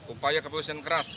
satu upaya kepolisian keras